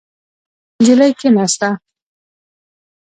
نجلۍ کېناسته.